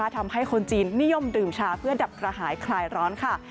ทำให้คนจีนนิยมดื่มชาเพื่อดับกระหายคลายร้อนค่ะ